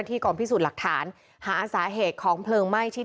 มีทะเลาะกันบ้างไหมครับ